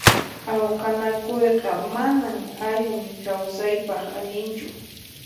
Awqanakuyqa manan allin kawsaypaq allinchu.